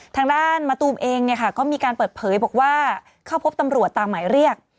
ทางด้านมะตูมเองเนี่ยค่ะก็มีการเปิดเผยบอกว่าเข้าพบตำรวจตามหมายเรียก